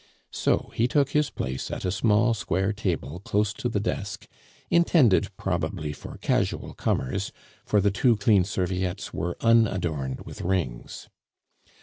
So he took his place at a small square table close to the desk, intended probably for casual comers, for the two clean serviettes were unadorned with rings.